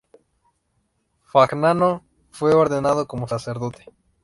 Fagnano fue ordenado como sacerdote.